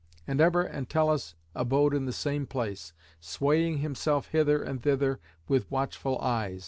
And ever Entellus abode in the same place, swaying himself hither and thither with watchful eyes.